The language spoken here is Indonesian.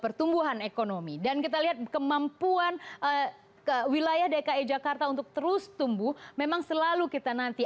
pertumbuhan ekonomi dan kita lihat kemampuan wilayah dki jakarta untuk terus tumbuh memang selalu kita nanti